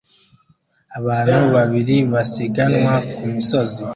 abantu babiri basiganwa ku misozi